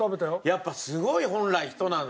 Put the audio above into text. やっぱすごい本来人なんだね。